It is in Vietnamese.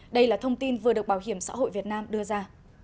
đây là thông tin vừa được bảo hiểm xã hội việt nam đưa ra